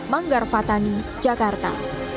manggar fatani jakarta